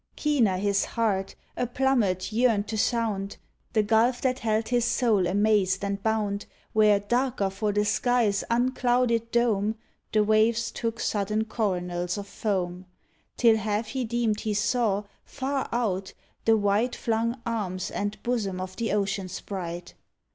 Keener his heart, a plummet, yearned to sound The gulf that held his soul amazed and bound, Where, darker for the sky's unclouded dome, The waves took sudden coronals of foam. Till half he deemed he saw, far out, the white Flung arms and bosom of the ocean sprite.